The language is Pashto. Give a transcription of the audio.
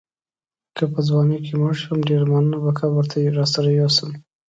که په ځوانۍ کې مړ شوم ډېر ارمانونه به قبر ته راسره یوسم.